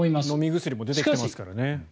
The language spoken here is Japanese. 飲み薬も出てきますからね。